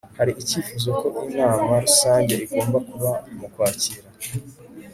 hari icyifuzo ko inama rusange igomba kuba mu kwakira